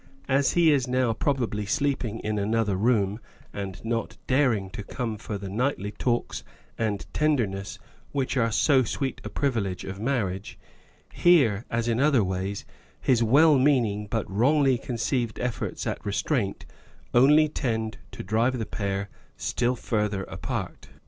As he is now probably sleep ing in another room and not daring to come for the nightly talks and tenderness which are so sweet a privilege of marriage, here, as in other ways, his well meaning but wrongly conceived efforts at restraint only tend to drive the pair still further apart.